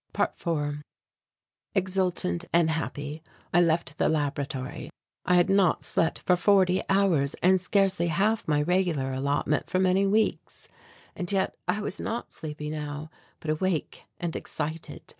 ~4~ Exultant and happy I left the laboratory. I had not slept for forty hours and scarcely half my regular allotment for many weeks. And yet I was not sleepy now but awake and excited.